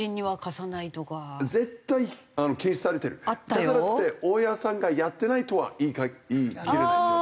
だからといって大家さんがやってないとは言いきれないですよ。